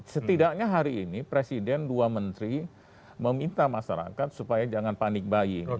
setidaknya hari ini presiden dua menteri meminta masyarakat supaya jangan panik bayi